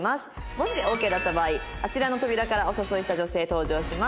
もしオーケーだった場合あちらの扉からお誘いした女性登場します。